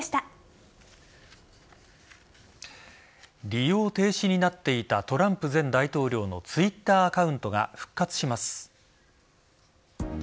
利用停止になっていたトランプ前大統領のＴｗｉｔｔｅｒアカウントが復活します。